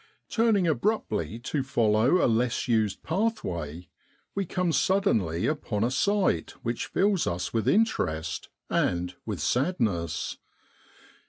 Turning abruptly to follow a less used pathway, we come suddenly upon a sight which fills us with interest and with sadness.